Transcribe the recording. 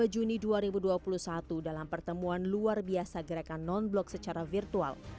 dua puluh juni dua ribu dua puluh satu dalam pertemuan luar biasa gerakan non blok secara virtual